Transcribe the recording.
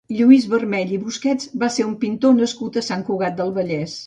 Lluís Vermell i Busquets va ser un pintor nascut a Sant Cugat del Vallès.